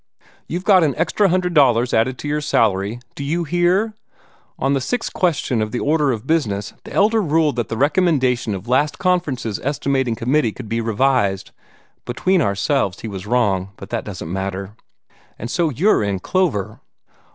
You've got an extra hundred dollars added to your salary; do you hear? On the sixth question of the order of business the Elder ruled that the recommendation of the last conference's estimating committee could be revised (between ourselves he was wrong, but that doesn't matter), and so you're in clover.